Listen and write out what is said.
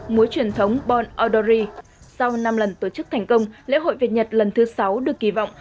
múa truyền thống bon odori sau năm lần tổ chức thành công lễ hội việt nhật lần thứ sáu được kỳ vọng